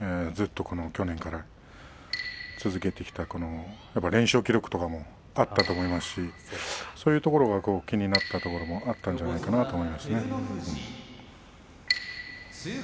ずっと去年から続けてきた連勝記録とかもあったと思いますしそういうところが気になったところがあったんじゃないかなと思いますね。